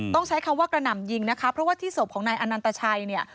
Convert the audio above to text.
ต้องใช้คำว่ากระหน่ำยิงนะคะเพราะว่าที่ศพของนายอนันตชัยเนี่ย